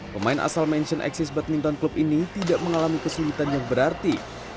pemain asal mansion axis badminton klub ini tidak mengalami kesulitan yang berarti